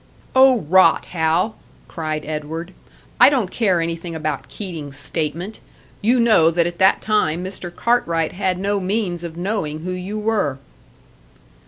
"Oh, rot, Hal!" cried Edward. "I don't care anything about Keating's statement. You know that at that time Mr. Cartwright had no means of knowing who you were."